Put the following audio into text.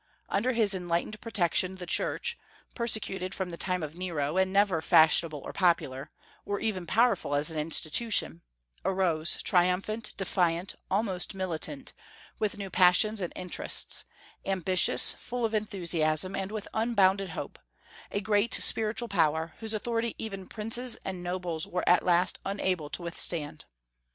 Under his enlightened protection the Church, persecuted from the time of Nero, and never fashionable or popular, or even powerful as an institution, arose triumphant, defiant, almost militant, with new passions and interests; ambitious, full of enthusiasm, and with unbounded hope, a great spiritual power, whose authority even princes and nobles were at last unable to withstand.